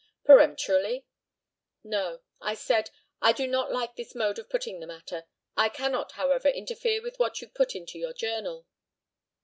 Peremptorily? No; I said, "I do not like this mode of putting the matter. I cannot, however, interfere with what you put into your journal."